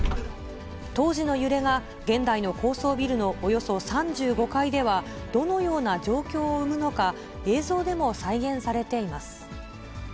当時の揺れが、現代の高層ビルのおよそ３５階では、どのような状況を生むのか、映像でも再現されています。